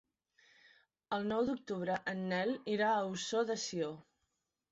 El nou d'octubre en Nel irà a Ossó de Sió.